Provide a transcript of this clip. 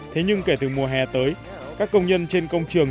thế nhưng kể từ mùa hè tới các công nhân trên công trường